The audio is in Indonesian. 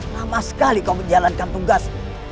lama sekali kau menjalankan tugasmu